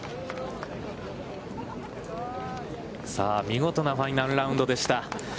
見事なファイナルラウンドでした。